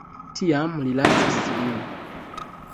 Tiam li lasis lin.